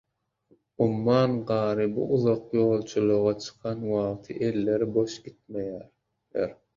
Umman gary bu uzak ýolagçylyga çykan wagty elleri boş gitmeýärler.